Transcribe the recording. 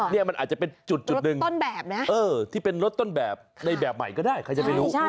นี่มันอาจจะเป็นจุดหนึ่งต้นแบบนะที่เป็นรถต้นแบบในแบบใหม่ก็ได้ใครจะไปรู้